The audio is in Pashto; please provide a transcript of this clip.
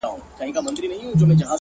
زما د زما د يار راته خبري کوه;